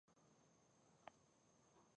په استعاره کښي د متکلم اصلي غرض تشبېه يي.